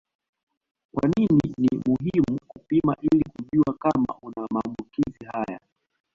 Kwa nini ni muhimu kupima ili kujua kama una maambukizi haya